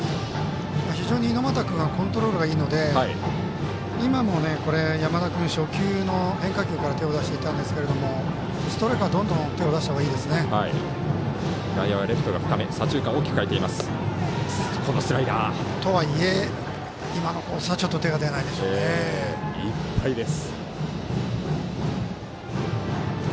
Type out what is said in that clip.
非常に猪俣君はコントロールがいいので今も山田君、初球から手を出していったんですがストライクはどんどん手を出したほうがいいです。